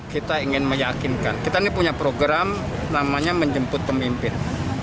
kita ingin meyakinkan kita ini punya program namanya menjemput pemimpin